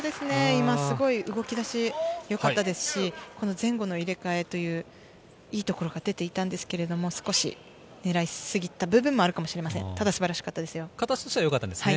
今すごく動きだしがよかったですし、前後の入れ替えという良いところが出ていたんですけど、少しねらいすぎた部分もあるかもしれませ形としては、よかったですね。